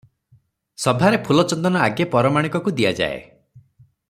ସଭାରେ ଫୁଲଚନ୍ଦନ ଆଗେ ପରମାଣିକକୁ ଦିଆଯାଏ ।